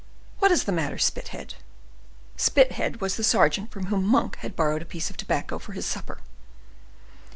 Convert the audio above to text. What is the matter, Spithead?" Spithead was the sergeant from whom Monk had borrowed a piece of tobacco for his supper.